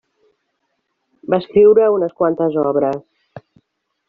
Va escriure unes quantes obres.